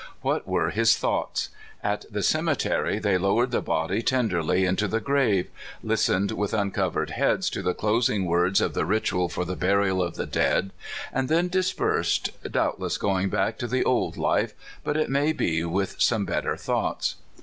What were his thoughts ? At the cemetery they low ered the body tenderly into the grave, listened with uncovered heads to the closing words of the ritual for the burial of the dead, and then dispersed, doubtless going back to the old life, but it may be with some better thoughts.